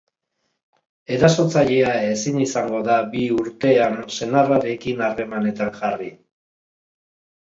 Erasotzailea ezin izango da bi urtean senarrarekin harremanetan jarri.